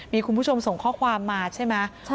มีคุณผู้ชมส่งข้อความมาใช่ไหม